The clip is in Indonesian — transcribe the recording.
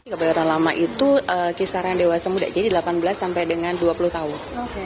kebenaran lama itu kisaran dewasa muda jadi delapan belas sampai dengan dua puluh tahun